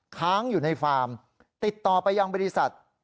ค้างอยู่ในฟาร์มติดต่อไปยังบริษัท